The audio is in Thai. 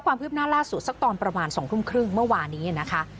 ความคืบหน้าล่าสุดสักตอนประมาณ๒ทุ่มครึ่งเมื่อวานนี้นะคะ